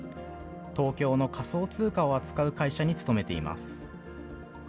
東京の仮想通貨を扱う会社に勤めています。